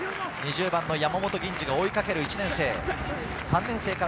２０番の山本吟侍が追いかける１年生。